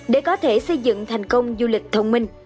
để có thể xây dựng thành công du lịch thông minh